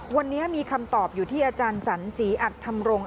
วันนี้มีคำตอบอยู่ที่อาจารย์สันศรีอัดธรรมรงค์